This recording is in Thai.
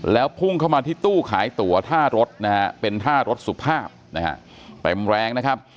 แล้วพุ่งเข้ามาที่ตู้ขายตัวท่ารถเป็นท่ารถสุภาพแปรงแรงนะครับ